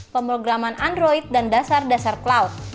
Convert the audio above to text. pemrograman android dan dasar dasar cloud